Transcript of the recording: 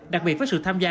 đặc biệt với sự tham gia